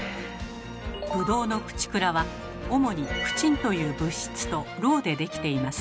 ブドウのクチクラは主に「クチン」という物質と「ろう」でできています。